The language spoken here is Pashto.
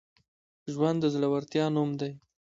ژوند د زړورتیا نوم دی.